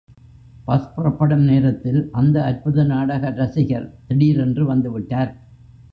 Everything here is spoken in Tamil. பஸ் புறப்படும் நேரத்தில் அந்த அற்புத நாடக இரசிகர் திடீரென்று வந்து விட்டார்.